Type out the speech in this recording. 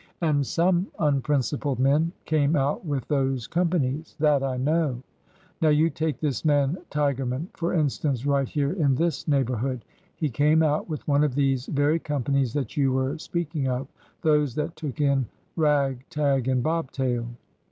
And some unprincipled men came out with those compa nies. That I know. Now you take this man Tigerman, for instance, right here in this neighborhood. He came out with one of these very companies that you were speak ing of — those that took in ' rag, tag, and bobtail.'